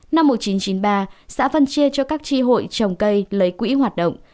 năm một nghìn chín trăm chín mươi ba xã phân chia cho các tri hội trồng cây lấy quỹ hoạt động